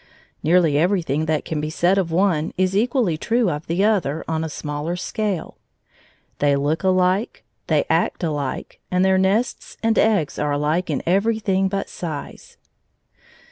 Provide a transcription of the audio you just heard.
Nearly everything that can be said of one is equally true of the other on a smaller scale. They look alike, they act alike, and their nests and eggs are alike in everything but size.